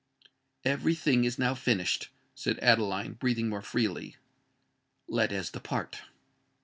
"Every thing is now finished," said Adeline, breathing more freely. "Let as depart."